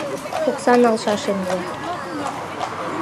— Окса налшашем уло.